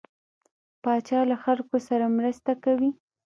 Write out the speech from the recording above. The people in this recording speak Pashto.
پاچا له خلکو سره مرسته کوي.